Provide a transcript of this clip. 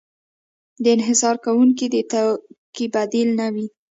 د انحصار کوونکي د توکې بدیل نه وي.